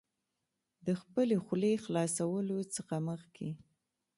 د خپلې خولې خلاصولو څخه مخکې